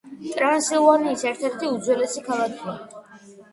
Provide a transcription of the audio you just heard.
ტრანსილვანიის ერთ-ერთი უძველესი ქალაქია.